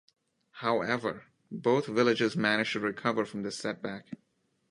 However, both villages managed to recover from this setback.